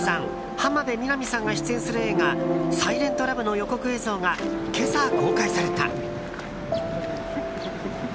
浜辺美波さんが出演する映画「サイレントラブ」の予告映像が今朝公開された。